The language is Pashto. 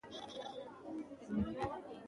استاد بینوا په ټولنه کي د نابرابریو خلاف و .